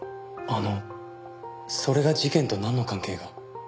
あのそれが事件となんの関係が？